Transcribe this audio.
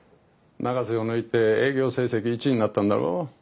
永瀬を抜いて営業成績１位になったんだろう。